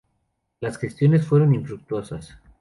Las gestiones fueron infructuosas.